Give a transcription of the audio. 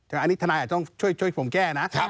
อันนี้ทนายอาจจะต้องช่วยผมแก้นะ